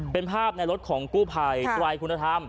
เป็นภาพในรถของกู้ภัยไตรคุณธรรม